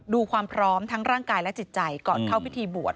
ดูความพร้อมทั้งร่างกายและจิตใจก่อนเข้าพิธีบวช